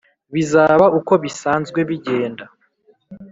bizaba uko bisanzwe bigenda”